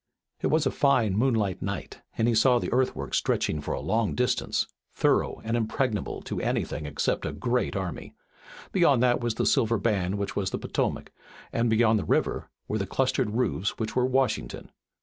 It was a fine moonlight night and he saw the earthworks stretching for a long distance, thorough and impregnable to anything except a great army. Beyond that was a silver band which was the Potomac, and beyond the river were the clustered roofs which were Washington.